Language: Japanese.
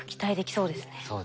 そうですね。